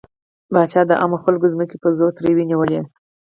پاچا د عامو خلکو ځمکې په زور ترې ونيولې.